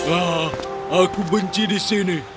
ah aku benci di sini